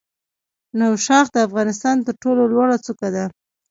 نوشاخ د افغانستان تر ټولو لوړه څوکه ده.